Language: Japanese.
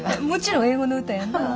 もちろん英語の歌やんな？